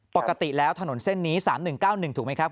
ปกติแล้วถนนเส้นนี้๓๑๙๑ถูกไหมครับ